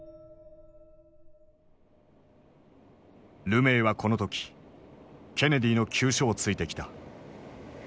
ルメイはこの時ケネディの急所を突いてきた。